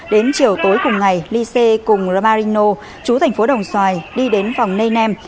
đến chiều tối cùng ngày ly cê cùng ramarino chú tp đồng xoài đi đến phòng nê nem